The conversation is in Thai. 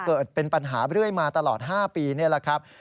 เกิดเป็นปัญหาเรื่อยมาตลอด๕ปีนี่แหละครับ